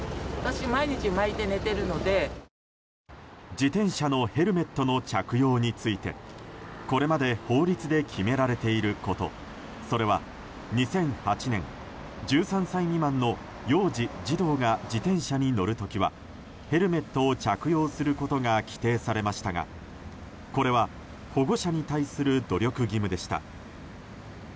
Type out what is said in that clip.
自転車のヘルメットの着用についてこれまで法律で決められていることそれは、２００８年１３歳未満の幼児・児童が自転車に乗る時はヘルメットを着用することが規定されましたがこれは保護者に対する努力義務でした。